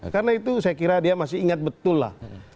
karena itu saya kira dia masih ingat betul lah